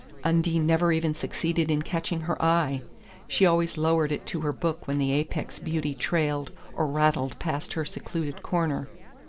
Undine never even succeeded in catching her eye: she always lowered it to her book when the Apex beauty trailed or rattled past her secluded corner.